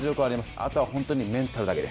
あとは本当にメンタルだけです。